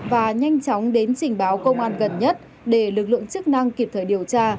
và nhanh chóng đến trình báo công an gần nhất để lực lượng chức năng kịp thời điều tra